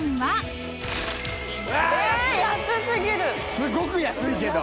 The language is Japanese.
すごく安いけど。